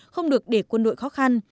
không được để quân đội khó khăn